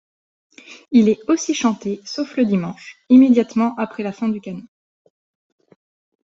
Il est aussi chanté, sauf le dimanche, immédiatement après la fin du canon.